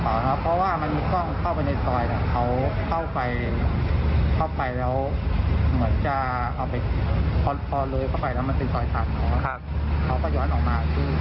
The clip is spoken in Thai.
เพราะว่าคนที่จะไปเจ้าของเงินจริงอะมันใช้ไม้ไม่ใช่ประโยชน์